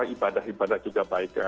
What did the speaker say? ibadah ibadah juga baik